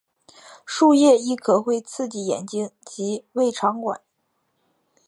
树液亦可能会刺激眼睛及胃肠管。